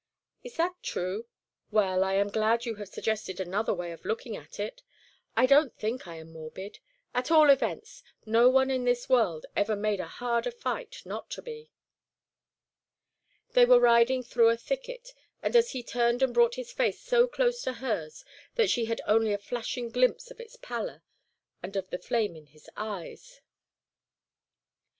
"Is that true? Well, I am glad you have suggested another way of looking at it. I don't think I am morbid. At all events no one in this world ever made a harder fight not to be." They were riding through a thicket, and he turned and brought his face so close to hers that she had only a flashing glimpse of its pallor and of the flame in his eyes.